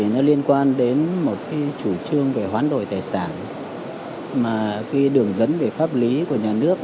nó liên quan đến một cái chủ trương về hoán đổi tài sản mà cái đường dẫn về pháp lý của nhà nước